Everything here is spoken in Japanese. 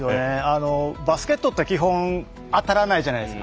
バスケットは基本当たらないじゃないですか